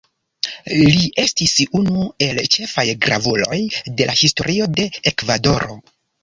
Li estis unu el ĉefaj gravuloj de la Historio de Ekvadoro.